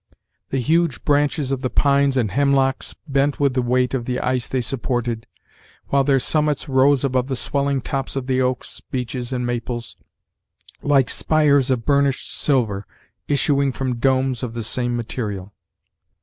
The huge branches of the pines and hemlocks bent with the weight of the ice they supported, while their summits rose above the swelling tops of the oaks, beeches, and maples, like spires of burnished silver issuing from domes of the same material.